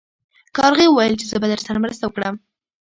کارغې وویل چې زه به درسره مرسته وکړم.